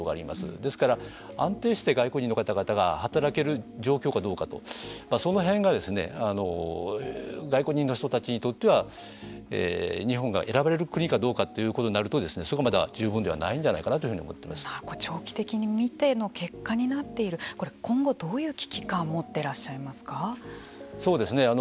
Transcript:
ですから安定して外国人の方々が働ける状況かどうかとその辺が外国人の人たちにとっては日本が選ばれる国かどうかということになるとそこまでは十分ではないんじゃないかな長期的に見ての結果になっているこれ、今後どういう危機感を持っていらっしゃいますか。